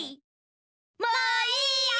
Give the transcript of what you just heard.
もういいよ！